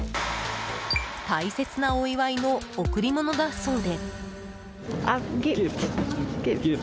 大切なお祝いの贈り物だそうで。